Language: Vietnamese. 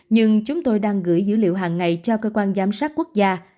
nhưng chúng tôi đang gửi dữ liệu hàng ngày cho cơ quan giám sát quốc gia